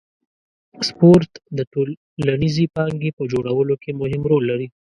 سپورت د ټولنیزې پانګې په جوړولو کې مهم رول لري.